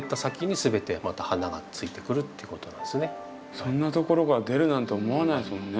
そんなところから出るなんて思わないですもんね。